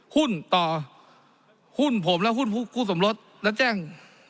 หุ้นต่อหุ้นผมและหุ้นคู่สมรสและแจ้ง